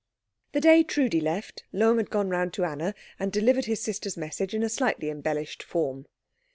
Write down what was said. The day Trudi left, Lohm had gone round to Anna and delivered his sister's message in a slightly embellished form.